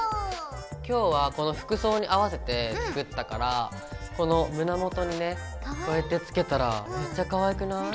今日はこの服装に合わせて作ったからこの胸元にねこうやってつけたらめっちゃかわいくない？